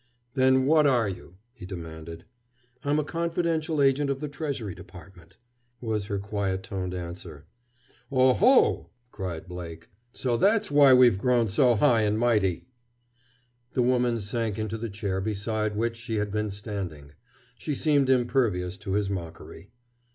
"Then what are you?" he demanded. "I'm a confidential agent of the Treasury Department," was her quiet toned answer. "Oho!" cried Blake. "So that's why we've grown so high and mighty!" The woman sank into the chair beside which she had been standing. She seemed impervious to his mockery.